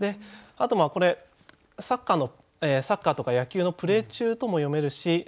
あとこれサッカーとか野球のプレー中とも読めるし